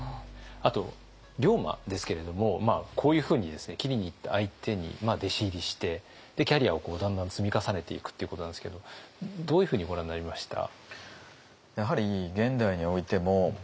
あと龍馬ですけれどもこういうふうに斬りにいった相手に弟子入りしてキャリアをだんだん積み重ねていくっていうことなんですけどどういうふうにご覧になりました？